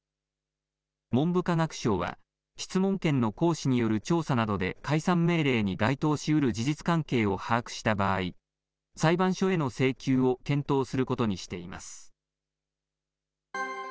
文部科学省は、質問権の行使による調査などで、解散命令に該当しうる事実関係を把握した場合、裁判所への請求を検討することにしています。